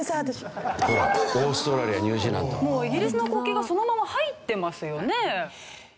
もうイギリスの国旗がそのまま入ってますよね。